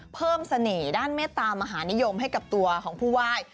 เสน่ห์ด้านเมตตามหานิยมให้กับตัวของผู้ไหว้